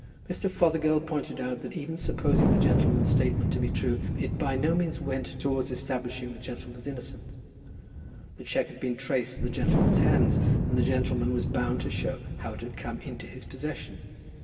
Mr. Fothergill pointed out that even supposing the gentleman's statement to be true, it by no means went towards establishing the gentleman's innocence. The cheque had been traced to the gentleman's hands, and the gentleman was bound to show how it had come into his possession.